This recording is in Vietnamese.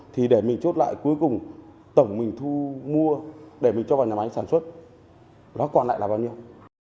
thì để mình chốt lại cuối cùng tổng mình thu mua để mình cho vào nhà máy sản xuất nó còn lại là bao nhiêu